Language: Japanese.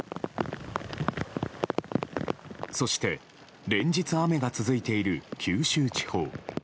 そして連日、雨が続いている九州地方。